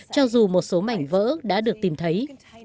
cho dù một số mảnh vỡ đã được tìm thấy